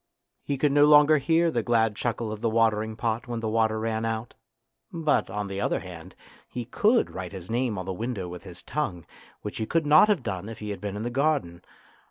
He could no longer hear the glad chuckle of the watering pot when the water ran out, but, on the other hand, he could write his name on the window with his tongue, which he could not have done if he had been in the garden.